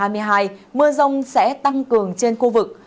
mưa rông sẽ tăng cường trên khu vực